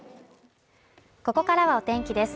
ここからはお天気です